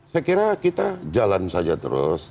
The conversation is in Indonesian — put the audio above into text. saya kira kita jalan saja terus